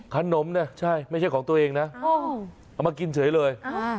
ขนมเนี่ยใช่ไม่ใช่ของตัวเองนะเอามากินเฉยเลย